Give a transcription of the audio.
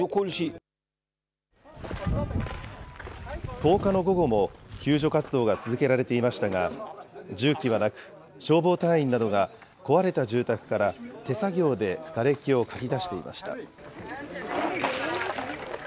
１０日の午後も、救助活動が続けられていましたが、重機はなく、消防隊員などが壊れた住宅から手作業でがれきをかき出していました。